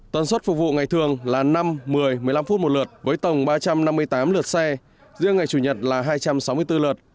tần suất phục vụ ngày thường là năm một mươi một mươi năm phút một lượt với tổng ba trăm năm mươi tám lượt xe riêng ngày chủ nhật là hai trăm sáu mươi bốn lượt